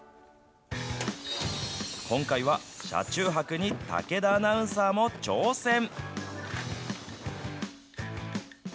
今回は車中泊に武田アナウンサーも挑戦！